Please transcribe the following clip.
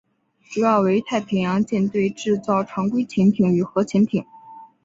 主要为太平洋舰队制造常规潜艇与核潜艇。